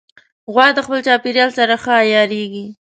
غوا د خپل چاپېریال سره ښه عیارېږي.